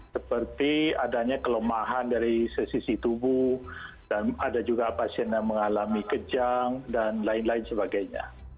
seperti adanya kelemahan dari sisi tubuh dan ada juga pasien yang mengalami kejang dan lain lain sebagainya